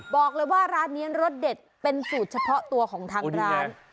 บอกเลยว่าร้านนี้รสเด็ดเป็นสูตรเฉพาะตัวของทางร้าน